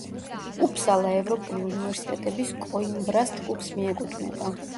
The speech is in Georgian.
უფსალა ევროპული უნივერსიტეტების კოიმბრას ჯგუფს მიეკუთვნება.